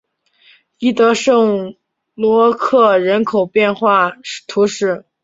伊德圣罗克人口变化图示